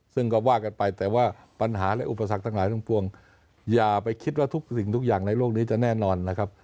ซึ่งก็ว่ากันไปแต่ว่าปัญหาและอุปสรรคทั้งหลายทั้งปวงอย่าไปคิดว่าทุกสิ่งทุกอย่างในโลกนี้จะแน่นอนนะครับ